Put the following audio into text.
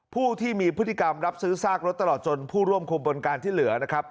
ผู้ที่มีพฤติกรรมรับซื้อซากรถตลอดจนผู้ร่วมคุมบนการที่เหลือนะครับ